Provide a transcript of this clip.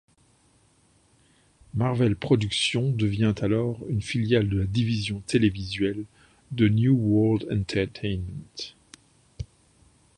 Marvel Productions devient alors une filiale de la division télévisuelle de New World Entertainment.